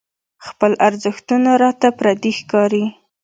خپل ارزښتونه راته پردي ښکاري.